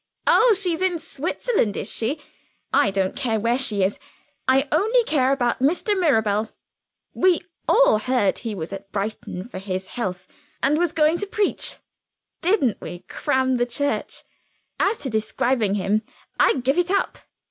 Oh, she's in Switzerland, is she? I don't care where she is; I only care about Mr. Mirabel. We all heard he was at Brighton for his health, and was going to preach. Didn't we cram the church! As to describing him, I give it up.